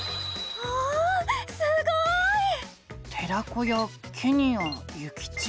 わあすごい！「寺子屋」「ケニア」「諭吉」。